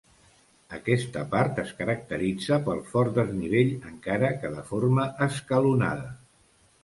Aquesta part es caracteritza pel fort desnivell encara que de forma escalonada.